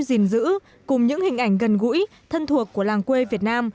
dình dữ cùng những hình ảnh gần gũi thân thuộc của làng quê việt nam